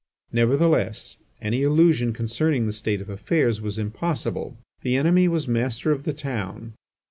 Nevertheless, any illusion concerning the state of affairs was impossible. The enemy was master of the town.